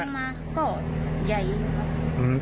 ก็ใหญ่